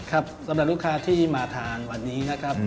สำหรับลูกค้าที่มาทานวันนี้นะครับ